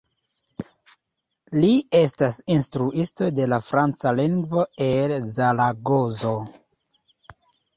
Li estas instruisto de la franca lingvo el Zaragozo.